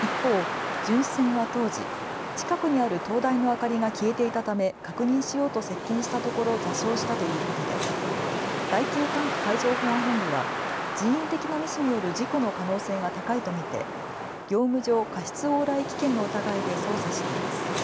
一方、巡視船は当時、近くにある灯台の明かりが消えていたため確認しようと接近したところ座礁したということで第９管区海上保安本部は人為的なミスによる事故の可能性が高いと見て業務上過失往来危険の疑いで捜査しています。